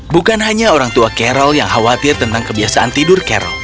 bukan hanya orang tua carol yang khawatir tentang kebiasaan tidur carol